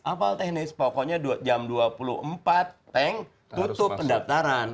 hafal teknis pokoknya jam dua puluh empat tank tutup pendaftaran